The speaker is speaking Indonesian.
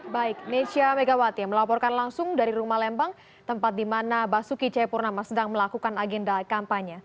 baik nesya megawati melaporkan langsung dari rumah lembang tempat di mana basuki cepurnama sedang melakukan agenda kampanye